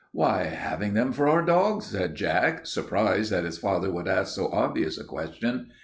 "Why, having them for our dogs," said Jack, surprised that his father should ask so obvious a question.